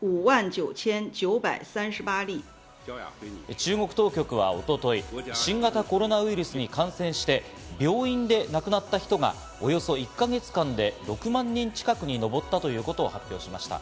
中国当局は一昨日、新型コロナウイルスに感染して病院で亡くなった人がおよそ１か月間で６万人近くに上ったことを発表しました。